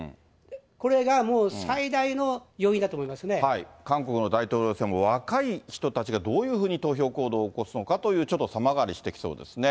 これがもう、韓国の大統領選も、若い人たちがどういうふうに投票行動を起こすのかという、ちょっと様変わりしてきそうですね。